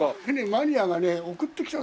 マニアがね送ってきた。